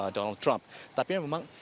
donald trump tapi memang